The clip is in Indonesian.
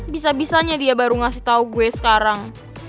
bisa bisanya dia baru ngasih tahu gue sekarang